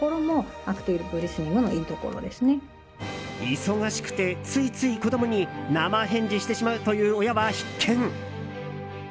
忙しくて、ついつい子供に生返事してしまうという親は必見。